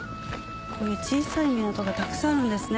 こういう小さい港がたくさんあるんですね